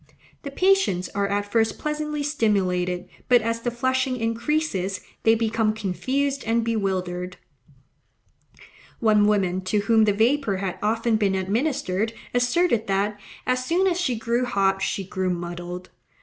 The patients are at first pleasantly stimulated, but, as the flushing increases, they become confused and bewildered. One woman to whom the vapour had often been administered asserted that, as soon as she grew hot, she grew MUDDLED.